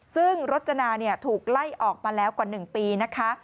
ซึ่งรจนาถูกไล่ออกมาแล้วกว่า๑ปีนะคะ